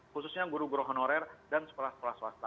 khususnya guru guru honorer dan sekolah sekolah swasta